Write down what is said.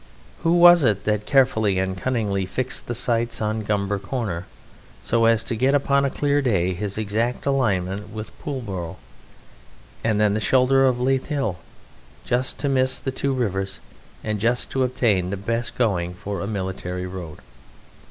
Who was it that carefully and cunningly fixed the sights on Gumber Corner so as to get upon a clear day his exact alignment with Pulborough and then the shoulder of Leith Hill, just to miss the two rivers and just to obtain the best going for a military road?